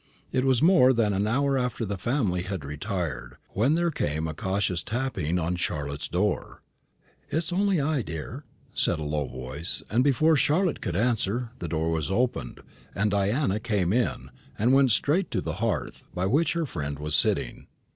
It was more than an hour after the family had retired, when there came a cautious tapping at Charlotte's door. "It is only I, dear," said a low voice; and before Charlotte could answer, the door was opened, and Diana came in, and went straight to the hearth, by which her friend was sitting.